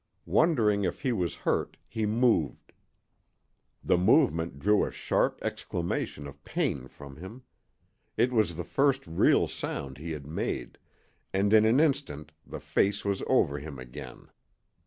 Wondering if he was hurt, he moved. The movement drew a sharp exclamation of pain from him. It was the first real sound he had made, and in an instant the face was over him again.